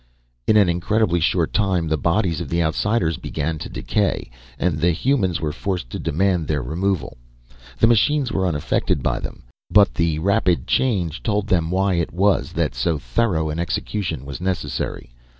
In an incredibly short time the bodies of the Outsiders began to decay, and the humans were forced to demand their removal. The machines were unaffected by them, but the rapid change told them why it was that so thorough an execution was necessary.